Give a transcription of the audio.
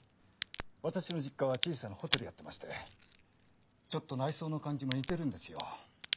私の実家は小さなホテルやってましてちょっと内装の感じも似てるんですよ。